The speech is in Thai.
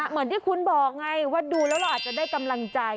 เหมือนที่คุณบอกไงว่าดูแล้วเราอาจจะได้กำลังใจ